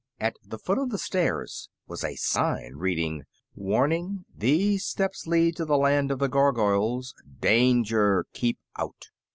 At the foot of the stairs was a sign reading: WARNING. These steps lead to the Land of the Gargoyles. DANGER! KEEP OUT.